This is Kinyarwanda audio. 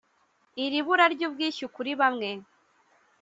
Iri bura ry’ubwishyu kuri bamwe